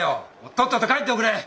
とっとと帰っておくれ。